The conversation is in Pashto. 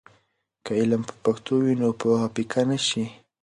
که علم په پښتو وي، نو پوهه پیکه نه شي.